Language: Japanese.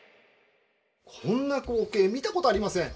こんな光景見たことありません。